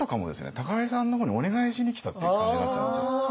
高井さんの方にお願いしに来たっていう感じになっちゃうんですよ。